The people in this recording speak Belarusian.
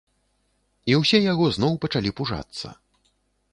І ўсе яго зноў пачалі пужацца.